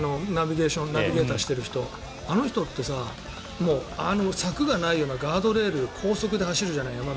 ナビゲートしてる人あの人って柵がないようなガードレールを高速で走るじゃない。